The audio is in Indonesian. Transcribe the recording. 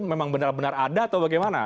memang benar benar ada atau bagaimana